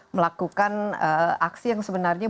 melakukan aksi yang sebenarnya